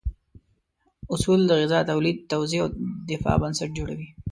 اصول د غذا تولید، توزیع او دفاع بنسټ جوړوي.